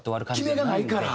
決めがないから。